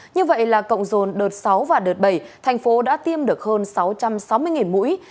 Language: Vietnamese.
như vậy là cộng dồn đợt sáu và đợt bảy thành phố đã tiêm được hơn sáu trăm sáu mươi mũi